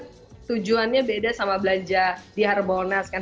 sebenarnya kan tujuannya beda sama belanja di harbonas kan